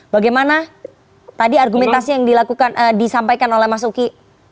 bagaimana tadi argumentasi yang disampaikan oleh mas uki